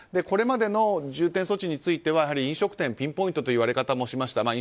これまでの重点措置についてはやはり飲食店ピンポイントという言われ方もしました。